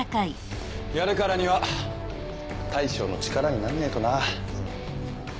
やるからには大将の力になんねぇとな。